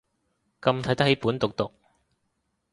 咁睇得起本毒毒